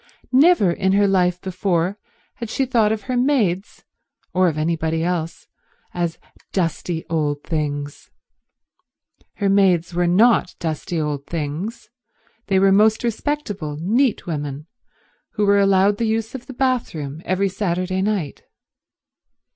Never in her life before had she thought of her maids, or of anybody else, as dusty old things. Her maids were not dusty old things; they were most respectable, neat women, who were allowed the use of the bathroom every Saturday night.